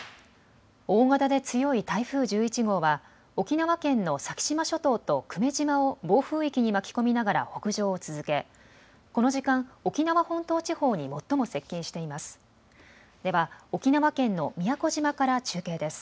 大型で強い台風１１号は沖縄県の先島諸島と久米島を暴風域に巻き込みながら北上を続け、この時間、沖縄本島地方に最も接近しています。